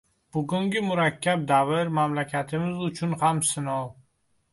Bugungi murakkab davr mamlakatimiz uchun ham sinov